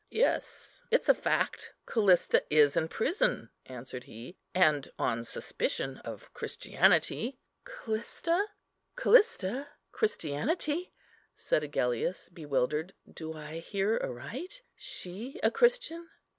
"Yes, it's a fact; Callista is in prison," answered he, "and on suspicion of Christianity." "Callista! Christianity!" said Agellius, bewildered, "do I hear aright? She a Christian!